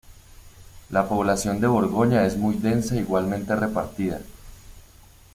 La población de Borgoña es muy densa igualmente repartida.